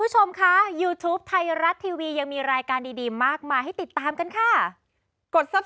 เฉพาะใช้คำว่าเมย์เหรอ